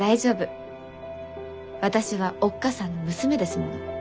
私はおっ母さんの娘ですもの。